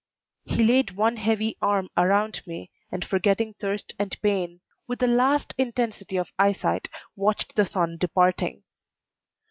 He laid one heavy arm around me, and forgetting thirst and pain, with the last intensity of eyesight watched the sun departing.